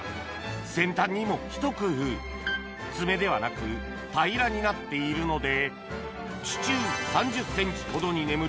先端にもひと工夫爪ではなく平らになっているので地中３０ｃｍほどに眠る